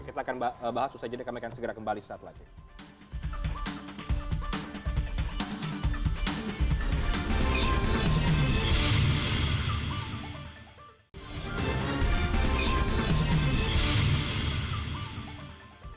kita akan bahas usaha jeda kami akan segera kembali saat lagi